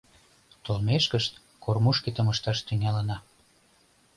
Толмешкышт кормушкетым ышташ тӱҥалына.